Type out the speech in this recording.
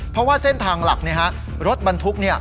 เพราะว่าเส้นทางหลักเนี่ยฮะรถบรรทุกเนี่ย